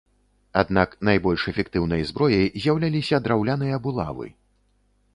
Аднак найбольш эфектыўнай зброяй з'яўляліся драўляныя булавы.